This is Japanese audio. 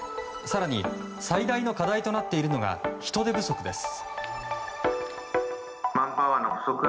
更に最大の課題となっているのが人手不足です。